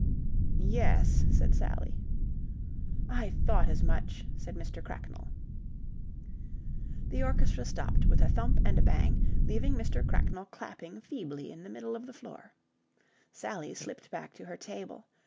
"Yes," said Sally. "I thought as much," said Mr. Cracknell. The orchestra stopped with a thump and a bang, leaving Mr. Cracknell clapping feebly in the middle of the floor. Sally slipped back to her table.